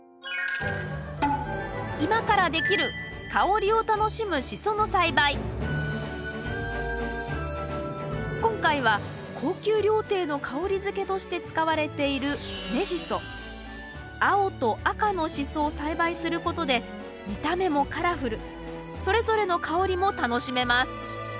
今からできる今回は高級料亭の香り付けとして使われている青と赤のシソを栽培することで見た目もカラフルそれぞれの香りも楽しめます。